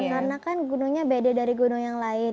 karena kan gunungnya beda dari gunung yang lain